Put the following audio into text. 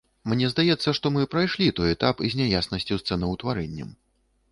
Мне здаецца, што мы прайшлі той этап з няяснасцю з цэнаўтварэннем.